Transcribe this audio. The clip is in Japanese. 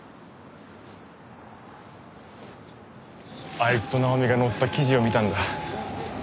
あいつと奈穂美が載った記事を見たんだ。